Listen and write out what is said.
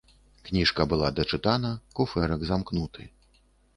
Кніжка была дачытана, куфэрак замкнуты.